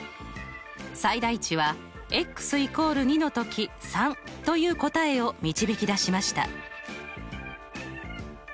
最大値は＝２のとき３という答えを導き出しました。